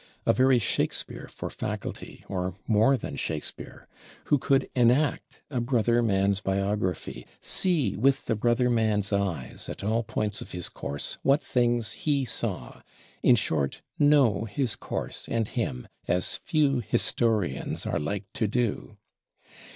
A very Shakespeare for faculty; or more than Shakespeare; who could enact a brother man's biography, see with the brother man's eyes at all points of his course what things he saw; in short, know his course and him, as few "Historians" are like to do.